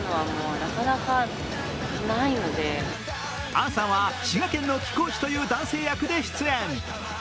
杏さんは滋賀県の貴公子という男性役で出演。